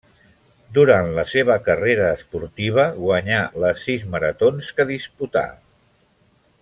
Durant la seva carrera esportiva guanyà les sis maratons que disputà.